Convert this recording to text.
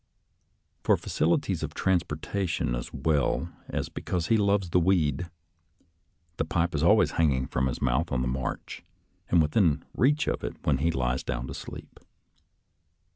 For facilities of trans portation as well as because he loves the weed, the pipe is always hanging from his mouth on the march, and within reach of it when he lies down to sleep.